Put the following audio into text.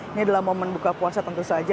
ini adalah momen buka puasa tentu saja